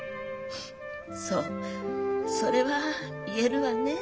そうそれは言えるわね。